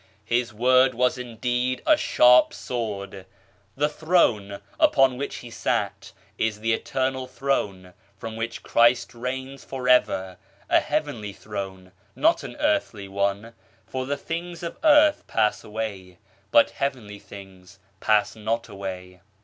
His Word was indeed a sharp sword ! The Throne upon which He sat is the Eternal Throne from which Christ reigns for ever, a heavenly throne, not an earthly one, for the things of earth pass away but heavenly things pass not away.